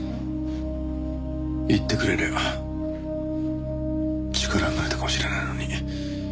言ってくれりゃ力になれたかもしれないのに。